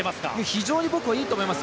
非常にいいと思います。